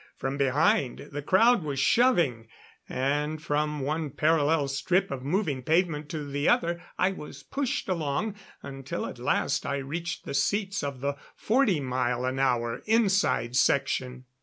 From behind, the crowd was shoving; and from one parallel strip of moving pavement to the other I was pushed along until at last I reached the seats of the forty mile an hour inside section.